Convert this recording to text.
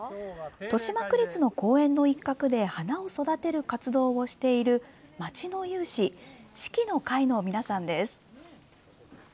豊島区立の公園の一角で花を育てる活動をしている町の有志、四季の会の皆さんです。